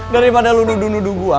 daripada lu nudu nudu gue